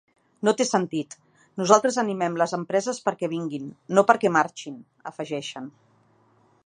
No té sentit: nosaltres animem les empreses perquè vinguin, no perquè marxin, afegeixen.